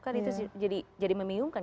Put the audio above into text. kan itu jadi memingungkan